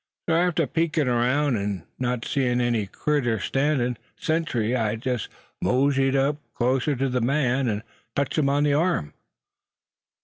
So arter peekin' around, an' not seein' any critter astandin' sentry, I jest mosied up clost ter ther man, an' touched him on ther arm."